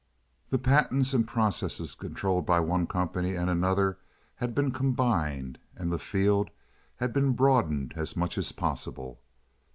The patents and processes controlled by one company and another had been combined, and the field had been broadened as much as possible.